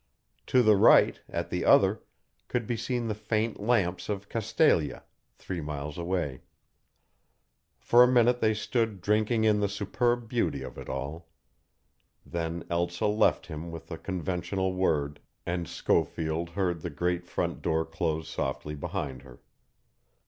To the right, at the other, could be seen the faint lamps of Castalia, three miles away. For a minute they stood drinking in the superb beauty of it all. Then Elsa left him with a conventional word, and Schofield heard the great front door close softly behind her.